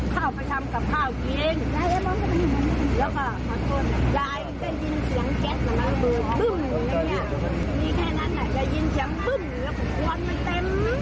จะยินเสียงพึ่งหรือว่าควันมันเต็ม